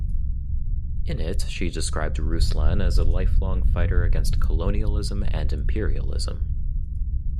In it, she described Ruslan as a lifelong fighter against colonialism and imperialism.